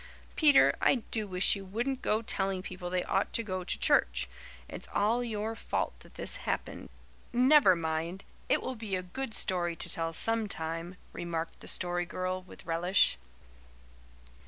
Peter, I do wish you wouldn't go telling people they ought to go to church. It's all your fault that this happened." "Never mind, it will be a good story to tell sometime," remarked the Story Girl with relish.